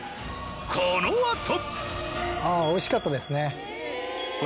このあと。